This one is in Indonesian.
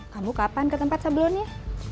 kamu kapan ke tempat sebelumnya